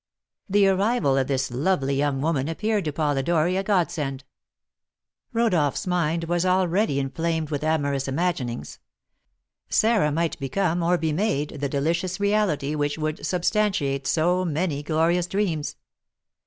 The arrival of this lovely young woman appeared to Polidori a godsend. Rodolph's mind was already inflamed with amorous imaginings; Sarah might become, or be made, the delicious reality which should substantiate so many glorious dreams.